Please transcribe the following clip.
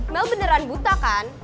mel beneran buta kan